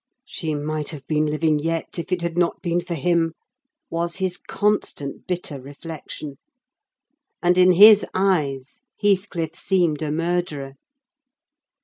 "She might have been living yet, if it had not been for him!" was his constant bitter reflection; and, in his eyes, Heathcliff seemed a murderer.